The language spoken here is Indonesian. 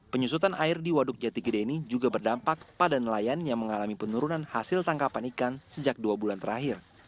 penyusutan air di waduk jati gede ini juga berdampak pada nelayan yang mengalami penurunan hasil tangkapan ikan sejak dua bulan terakhir